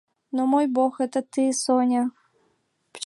Но мой Бог — это ты, Соня.